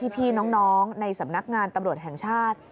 พี่น้องในสำนักงานตำรวจแห่งชาติ